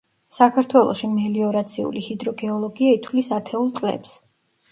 საქართველოში მელიორაციული ჰიდროგეოლოგია ითვლის ათეულ წლებს.